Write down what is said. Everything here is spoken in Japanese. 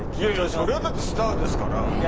それはスターですから。